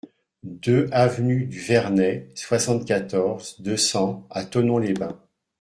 deux avenue du Vernay, soixante-quatorze, deux cents à Thonon-les-Bains